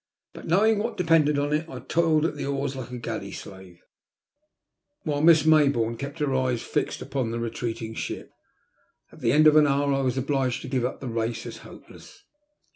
But, knowing what depended on it, I toiled at the oars like a galley slave, while Miss Maybourne kept her eyes fixed upon the retreating ship. At the end of an hour I was obliged to give up the race as hopeless.